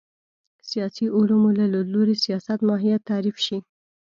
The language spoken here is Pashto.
سیاسي علومو له لید لوري سیاست ماهیت تعریف شي